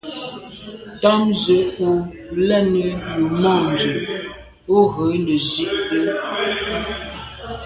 Tɑ́mə̀ zə ù lɛ̌nə́ yù môndzə̀ ú rə̌ nə̀ zí’də́.